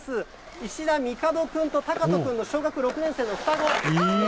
石田帝くんと天斗君の小学６年生の双子。